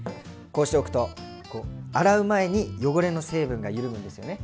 こうしておくと洗う前に汚れの成分が緩むんですよね。